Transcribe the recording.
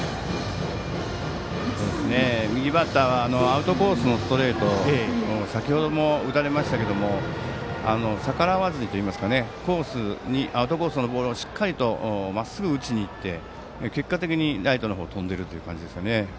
右バッターのアウトコースのストレート先ほども打たれましたけども逆らわずにといいますかコースにアウトコースのボールをしっかりとまっすぐ打ちにいって結果的にライトの方